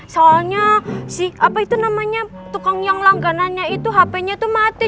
soalnya si apa itu namanya tukang yang langganannya itu hp nya itu mati